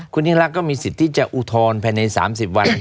คุณยิ่งรักก็มีสิทธิ์ที่จะอุทธรณ์ภายใน๓๐วัน